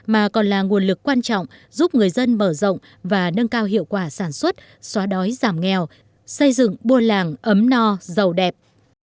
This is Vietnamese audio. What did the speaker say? mà còn là nguồn lực quan trọng giúp người dân mở rộng và nâng cao hiệu quả sản xuất xóa đói giảm nghèo xây dựng buôn làng ấm no giàu đẹp